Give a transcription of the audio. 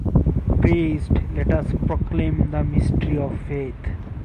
Priest: Let us proclaim the mystery of faith: